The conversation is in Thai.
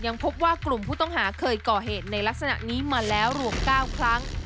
พบว่ากลุ่มผู้ต้องหาเคยก่อเหตุในลักษณะนี้มาแล้วรวม๙ครั้ง